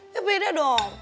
ya beda dong